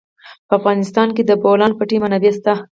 په افغانستان کې د د بولان پټي منابع شته.